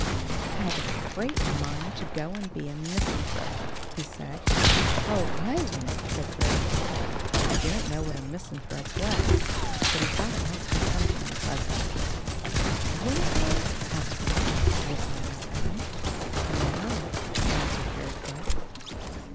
"I have a great mind to go and be a misanthrope," he said. "Oh! I wouldn't," said Fairyfoot. He didn't know what a misanthrope was, but he thought it must be something unpleasant. "Wouldn't you?" said Robin, looking up at him. "No," answered Fairyfoot.